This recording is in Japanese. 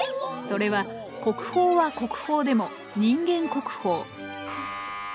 それは国宝は国宝でも人間国宝。